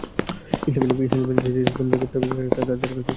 ইসলামের নামে যেসব তরুণ জঙ্গিবাদের দিকে যাচ্ছেন, তাঁরা ভুল পথে যাচ্ছেন।